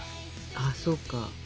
ああそうか。